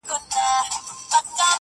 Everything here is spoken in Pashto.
چي منگول ته مو جوړ کړی عدالت دئ-